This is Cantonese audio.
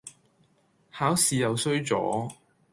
考試又衰咗